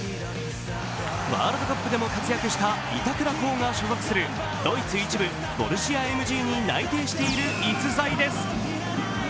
ワールドカップでも活躍した板倉滉が所属するドイツ１部、ボルシアＭＧに内定している逸材です。